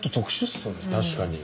確かに。